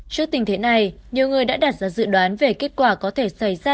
trước tình thế này nhiều người đã đặt ra dự đoán về kết quả có thể xảy ra